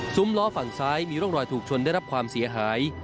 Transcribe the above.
ล้อฝั่งซ้ายมีร่องรอยถูกชนได้รับความเสียหาย